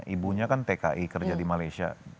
ibunya kan tki kerja di malaysia